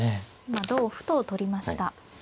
今同歩と取りました。